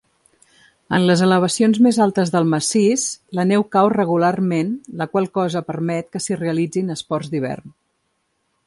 En les elevacions més altes del massís, la neu cau regularment, la qual cosa permet que s'hi realitzin esports d'hivern.